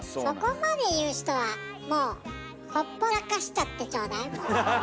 そこまで言う人はもうほっぽらかしちゃってちょうだいもう。